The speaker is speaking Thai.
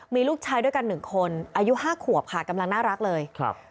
มีลูกชายด้วยกัน๑คนอายุ๕ขวบค่ะกำลังน่ารักเลย